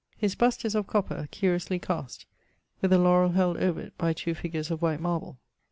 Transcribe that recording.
His bust is of copper, curiously cast, with a laurell held over it by two figures of white marble.